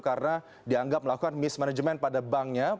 karena dianggap melakukan mismanagement pada banknya